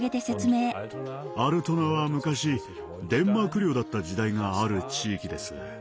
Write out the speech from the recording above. アルトナは昔デンマーク領だった時代がある地域です。